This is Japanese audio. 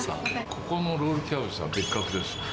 ここのロールキャベツは別格です。